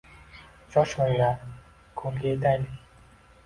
— Shoshmanglar, koʼlga yetaylik.